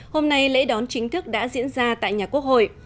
hôm nay lễ đón chính thức đã diễn ra tại nhà quốc hội